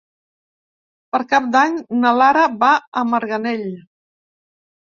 Per Cap d'Any na Lara va a Marganell.